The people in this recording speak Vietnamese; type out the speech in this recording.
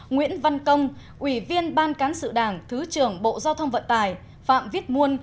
nguyễn văn công ủy viên ban cán sự đảng thứ trưởng bộ giao thông vận tài phạm viết muôn